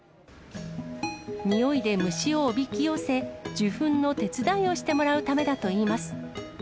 臭いで虫をおびき寄せ、受粉の手伝いをしてもらうためだといいます。